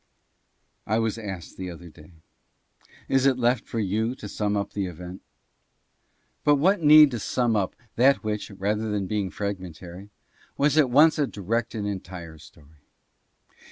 I was asked the other day, Is it left for you to sum up the event ? But what need to sum up that which, rather than being fragmentary, was at once a direct and entire story?